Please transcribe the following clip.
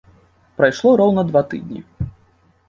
Прайшло роўна два тыдні.